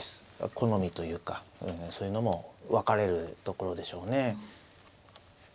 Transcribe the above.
好みというかそういうのも分かれるところでしょうね。